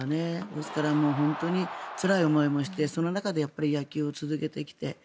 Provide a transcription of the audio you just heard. ですから本当につらい思いもしてその中で野球を続けてきて。